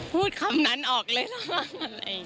พูดคำนั้นออกเลยแล้วว่าอะไร